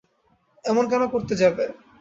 এমন কেন করতে যাবে?